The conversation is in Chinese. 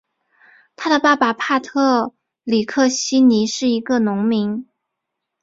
他的爸爸帕特里克希尼是一个农民。